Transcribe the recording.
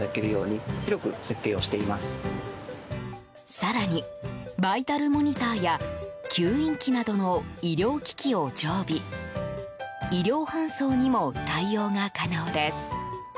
更に、バイタルモニターや吸引機などの医療機器を常備医療搬送にも対応が可能です。